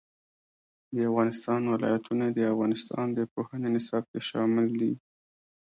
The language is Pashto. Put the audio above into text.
د افغانستان ولايتونه د افغانستان د پوهنې نصاب کې شامل دي.